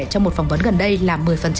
trong một phỏng vấn gần đây là một mươi